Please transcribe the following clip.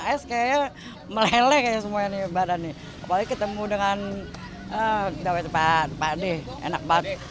es kayak meleleh semuanya badan nih wali ketemu dengan dawet cepat padi enak banget